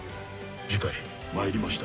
次回「魔入りました！